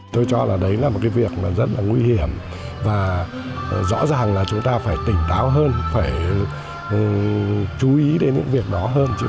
tôi cho là đấy là một cái việc rất là nguy hiểm và rõ ràng là chúng ta phải tỉnh táo hơn phải chú ý đến những việc đó hơn